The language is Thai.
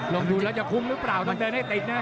ดูแล้วจะคุ้มหรือเปล่าต้องเดินให้ติดนะ